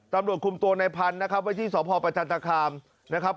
ตำรวจคุมตัวในพันธุ์นะครับไว้ที่สพประจันตคามนะครับ